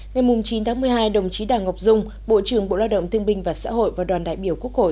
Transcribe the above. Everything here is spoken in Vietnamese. ngày chín tháng một mươi hai đồng chí đảng ngọc dung bộ trưởng bộ lao động thương binh và xã hội và đoàn đại biểu quốc hội